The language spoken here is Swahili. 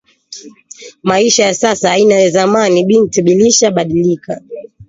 Maisha ya sasa aina sa ya zamani bitu bilisha badilika